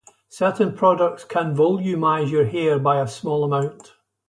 Certain products can volumize your hair by a small amount.